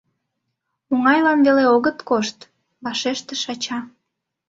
— Оҥайлан веле огыт кошт, — вашештыш ача.